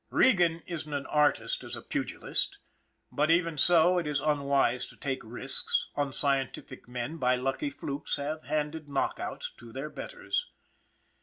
Regan isn't an artist as a pugilist, but even so it is unwise to take risks unscientific men by lucky flukes have handed knockouts to their betters.